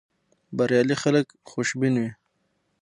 بریالي خلک خوشبین وي.